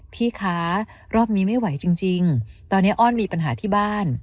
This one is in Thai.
พี่คะรอบนี้ไม่ไหวจริงตอนนี้อ้อนมีปัญหาที่บ้าน